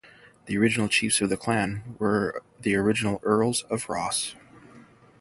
The original chiefs of the clan were the original Earls of Ross.